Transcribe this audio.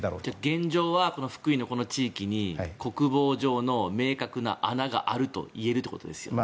現状は福井の地域に国防上の明確な穴があるといえるということですよね。